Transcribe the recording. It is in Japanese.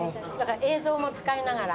映像も使いながら。